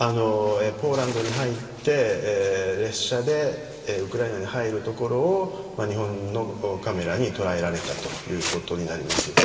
ポーランドに入って列車でウクライナに入るところを日本のカメラに捉えられたということになります。